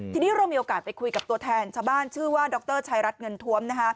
ทีนี้เรามีโอกาสไปคุยกับตัวแทนชาวบ้านชื่อว่าดรชายรัฐเงินทวม